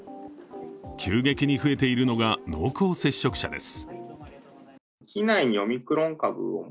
急激に増えているのが濃厚接触者です。